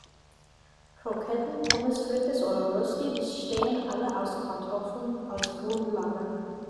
Kroketten, Pommes frites oder Rösti bestehen alle aus Kartoffeln als Grundlage.